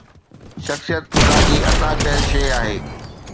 شخصيت خدا جي عطا ڪيل شيءِ آهي.